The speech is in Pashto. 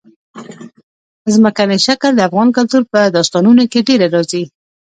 ځمکنی شکل د افغان کلتور په داستانونو کې ډېره راځي.